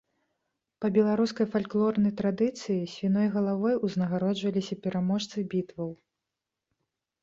Па беларускай фальклорнай традыцыі, свіной галавой узнагароджваліся пераможцы бітваў.